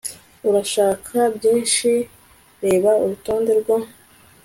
Urashaka byinshi Reba Urutonde rwo